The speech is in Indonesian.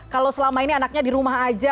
kalau selama ini anaknya di rumah aja